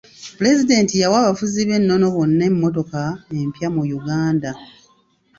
Pulezidenti yawa abafuzi b'ennono bonna emmotoka empya mu Uganda.